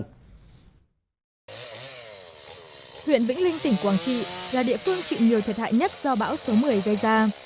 huyện vĩnh linh tỉnh quảng trị là địa phương chịu nhiều thiệt hại nhất do bão số một mươi gây ra